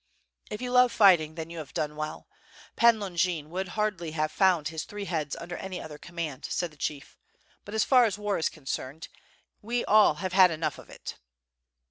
"If you love fighting, then you have done well. Pan Longin would have hardly found his three heads under any other command," said the chief. "But as far as war in concerned we all have had enough of it.